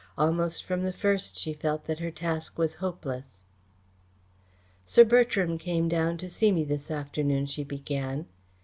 Almost from the first she felt that her task was hopeless. "Sir Bertram came down to see me this afternoon," she began.